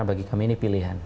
jadi bagi kami ini pilihan